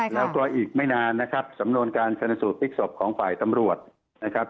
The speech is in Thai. แล้วก็อีกไม่นานนะครับสำนวนการชนสูตรพลิกศพของฝ่ายตำรวจนะครับ